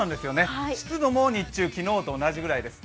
湿度も日中、昨日と同じくらいです。